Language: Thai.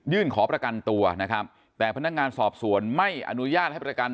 ยื่นขอประกันตัวนะครับแต่พนักงานสอบสวนไม่อนุญาตให้